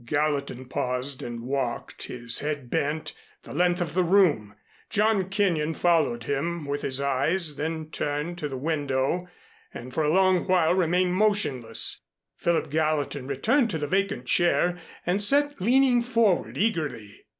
Gallatin paused and walked, his head bent, the length of the room. John Kenyon followed him with his eyes, then turned to the window and for a long while remained motionless. Philip Gallatin returned to the vacant chair and sat leaning forward eagerly.